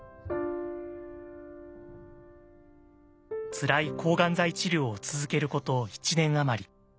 つらい抗がん剤治療を続けること１年余り。